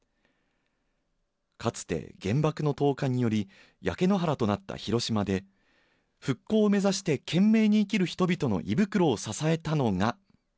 かつて原爆の投下により焼け野原となった広島で復興を目指して懸命に生きる人々の胃袋を支えたのが。